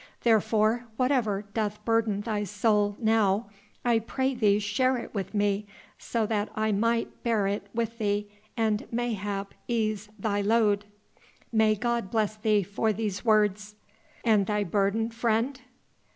Therefore whatever doth burden thy soul now, I pray thee share it with me, so that I might bear it with thee and mayhap ease thy load." "May God bless thee for these words." "And thy burden, friend?"